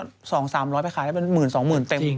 ๒๓๐๐บาทไปขายได้เป็น๑๐๐๐๐๒๐๐๐๐บาทเต็ม